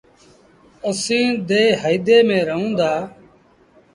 اسيٚݩ ديه هئيدي ميݩ رهوݩ دآ